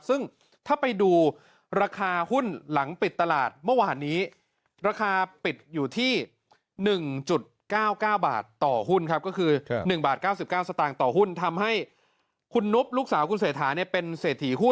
ซึ่งถ้าไปดูราคาหุ้นหลังปิดตลาดเมื่อวานนี้